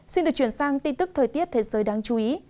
xin được chuyển sang tin tức thời tiết thế giới đáng chú ý